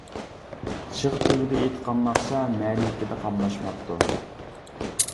چىغ تۈۋىدە ئېيتقان ناخشا مەرىكىدە قاملاشماپتۇ.